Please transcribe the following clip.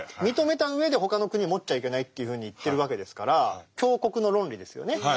認めた上で他の国は持っちゃいけないというふうに言ってるわけですから強国の論理ですよね。